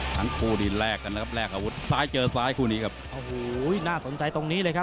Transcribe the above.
ทั้งคู่นี่แลกกันนะครับแลกอาวุธซ้ายเจอซ้ายคู่นี้ครับโอ้โหน่าสนใจตรงนี้เลยครับ